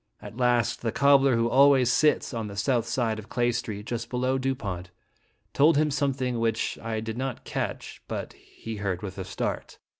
At last, the cobbler who always sits on the south side of Clay Street, just below Dupont, told him something which 1 did not catch, but he heard with a start.